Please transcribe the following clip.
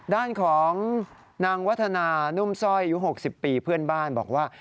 ด้านของนางวัฒนานุ่มสร้อยอายุ๖๐ปีเพื่อนบ้านบอกว่า